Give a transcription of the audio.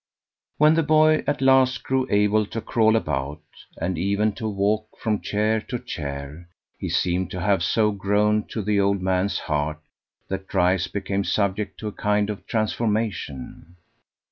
When the boy at last grew able to crawl about, and even to walk from chair to chair, he seemed to have so grown to the old man's heart that Dryce became subject to a kind of transformation.